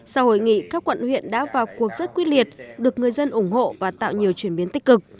sau hội nghị các quận huyện đã vào cuộc rất quyết liệt được người dân ủng hộ và tạo nhiều chuyển biến tích cực